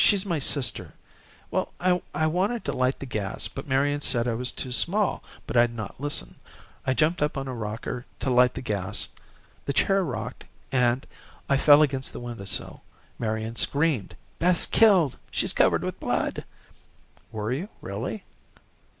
"She's my sister. Well, I wanted to light the gas, but Marian said I was too small, but I'd not listen. I jumped up on a rocker to light the gas. The chair rocked and, I fell against the windowsill. Marian screamed, 'Beth's killed. She's covered with blood!'" "Were you really?"